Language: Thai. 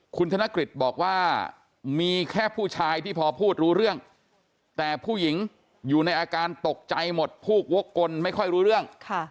คุณธนกฤษบอกว่ามีแค่ผู้ชายที่พอพูดรู้เรื่องแต่ผู้หญิงอยู่ในอาการตกใจหมดพูดวกกลไม่ค่อยรู้เรื่อง